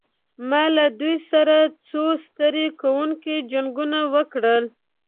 ما له دوی سره څو ستړي کوونکي جنګونه وکړل.